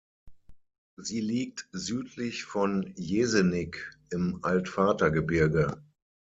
Sie liegt südlich von Jeseník im Altvatergebirge.